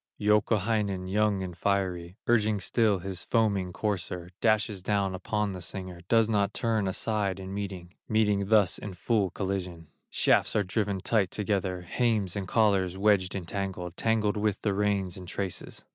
Youkahainen, young and fiery, Urging still his foaming courser, Dashes down upon the singer, Does not turn aside in meeting, Meeting thus in full collision; Shafts are driven tight together, Hames and collars wedged and tangled, Tangled are the reins and traces.